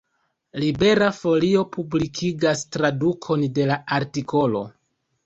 Libera Folio publikigas tradukon de la artikolo.